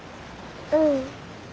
うん。